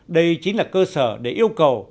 đây chính là cơ sở để yêu cầu